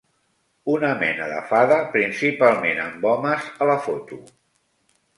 Una mena de fada principalment amb homes a la foto.